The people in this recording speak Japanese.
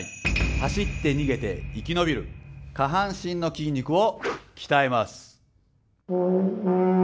走って逃げて生き延びる下半身の筋肉を鍛えます。